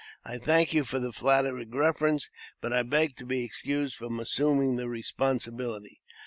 I thank you for the flattering preference, and I beg to be excused from assuming the responsibility."